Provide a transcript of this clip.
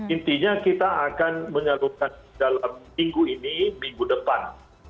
intinya kita akan menyalurkan dalam minggu ini minggu depan